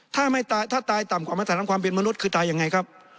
ถ้าตายต่ำกว่ามาตรฐานความเป็นมนุษย์คือตายยังไงครับ